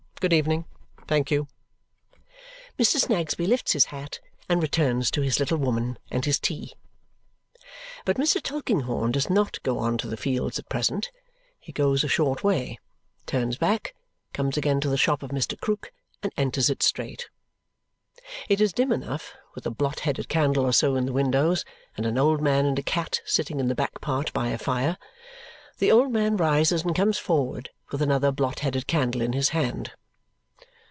Good evening. Thank you!" Mr. Snagsby lifts his hat and returns to his little woman and his tea. But Mr. Tulkinghorn does not go on to the Fields at present. He goes a short way, turns back, comes again to the shop of Mr. Krook, and enters it straight. It is dim enough, with a blot headed candle or so in the windows, and an old man and a cat sitting in the back part by a fire. The old man rises and comes forward, with another blot headed candle in his hand.